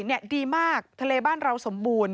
ดีมากทะเลบ้านเราสมบูรณ์